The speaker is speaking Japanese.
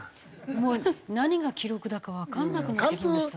もう何が記録だかわかんなくなってきました。